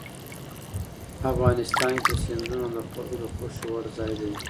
افغانستان کې سیندونه د خلکو د خوښې وړ ځای دی.